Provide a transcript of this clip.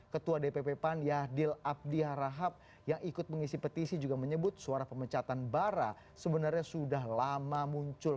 ketua dpp pan yadil abdihara hab yang ikut mengisi petisi juga menyebut suara pemecatan barra sebenarnya sudah lama muncul